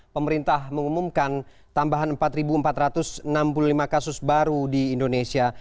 pemerintah mengumumkan tambahan empat empat ratus enam puluh lima kasus baru di indonesia